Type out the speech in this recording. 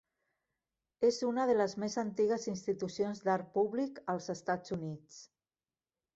És una de les més antigues institucions d'art públic als Estats Units.